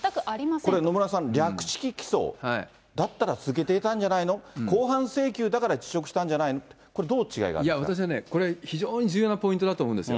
これ野村さん、略式起訴だったら続けていたんじゃないの、公判請求だから辞職したんじゃないの、これ、どう違いがあるんでいや、私はね、これ非常に重要なポイントだと思うんですよ。